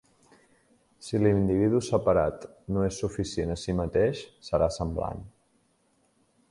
Si l'individu separat no és suficient a si mateix, serà semblant.